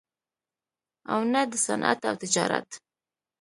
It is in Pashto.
او نه دَصنعت او تجارت